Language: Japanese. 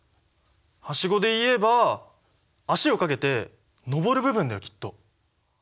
はしごで言えば足を掛けて登る部分だよきっと！